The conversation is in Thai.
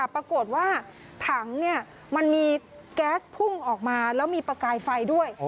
ปรากฏว่าถังมันมีแก๊สพุ่งออกมาแล้วมีประกายไฟด้วย